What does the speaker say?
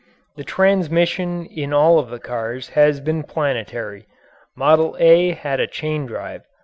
The transmission in all of the cars has been planetary. "Model A" had a chain drive.